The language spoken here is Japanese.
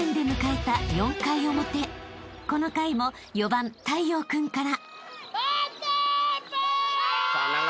［この回も４番太陽君から］